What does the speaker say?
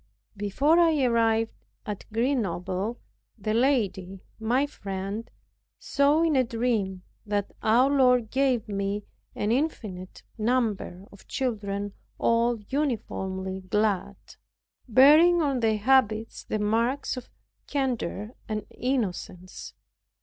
Before I arrived at Grenoble, the lady, my friend, saw in a dream that our Lord gave me an infinite number of children all uniformly clad, bearing on their habits the marks of candor and innocence.